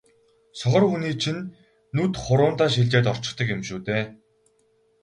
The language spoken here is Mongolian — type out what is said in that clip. сохор хүний чинь нүд хуруундаа шилжээд орчихдог юм шүү дээ.